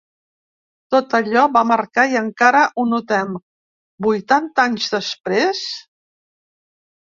Tot allò va marcar i encara ho notem, vuitanta anys després?